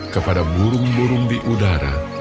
kepada burung burung di udara